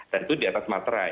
dan itu di atas materai